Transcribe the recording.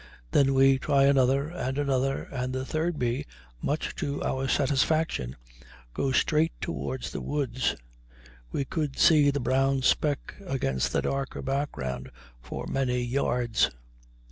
Then we try another and another, and the third bee, much to our satisfaction, goes straight toward the woods. We could see the brown speck against the darker background for many yards.